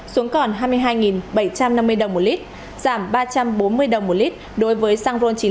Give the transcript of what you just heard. xuống còn hai mươi hai bảy trăm năm mươi đồng một lít giảm ba trăm bốn mươi đồng một lít đối với sang ron chín mươi năm